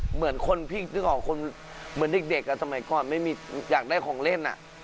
เหมือนคนในหน้าโม่กคลการนิดเด็กอยู่สมัยก่อนไม่มีอยากได้ของเล่นอ่ะ